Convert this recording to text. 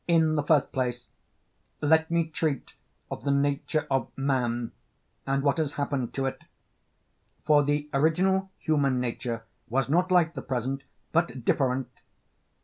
In the first place, let me treat of the nature of man and what has happened to it; for the original human nature was not like the present, but different.